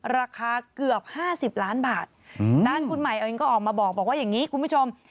ราคาเกือบ๕๐ล้านบาทด้านคุณใหม่เอาเองก็ออกมาบอกว่าอย่างนี้คุณผู้ชม